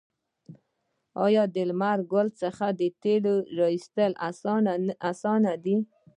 آیا د لمر ګل څخه د تیلو ایستل اسانه دي؟